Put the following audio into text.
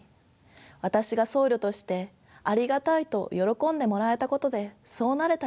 私が僧侶として「ありがたい」と喜んでもらえたことでそうなれたように。